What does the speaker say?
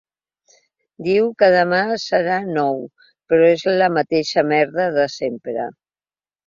Diu que demà serà nou, però és la mateixa merda de sempre.